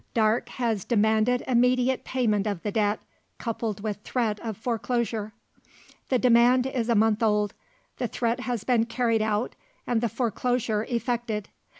Darke has demanded immediate payment of the debt, coupled with threat of foreclosure. The demand is a month old, the threat has been carried out, and the foreclosure effected.